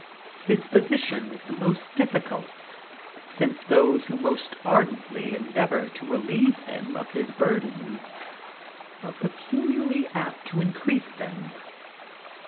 His position is the more difficult since those who most ardently endeavor to relieve him of his burdens are peculiarly apt to increase them.